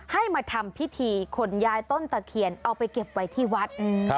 ให้มาทำพิธีขนย้ายต้นตะเคียนเอาไปเก็บไว้ที่วัด